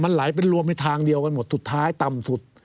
ไหลเป็นรวมในทางเดียวกันหมดสุดท้ายต่ำสุด